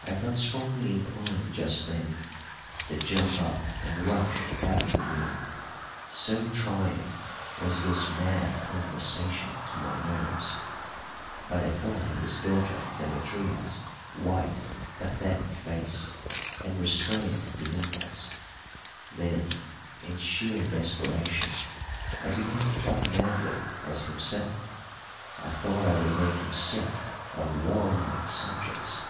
I felt strongly inclined just then to jump up and rush out of the room, so trying was this mad conversation to my nerves; but I thought of his daughter Demetria's white, pathetic face, and restrained the impulse. Then in sheer desperation I began to talk madly as himself. I thought I would make him sick of warlike subjects.